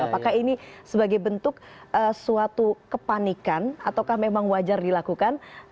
apakah ini sebagai bentuk suatu kepanikan ataukah memang wajar dilakukan